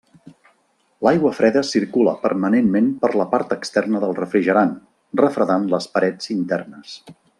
L'aigua freda circula permanentment per la part externa del refrigerant, refredant les parets internes.